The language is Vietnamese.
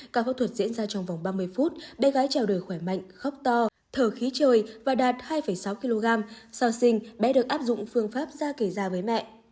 các phẫu thuật diễn ra trong vòng ba mươi phút bé gái trèo đời khỏe mạnh khóc to thở khí trời và đạt hai sáu kg sau sinh bé được áp dụng phương pháp ra kể ra với mẹ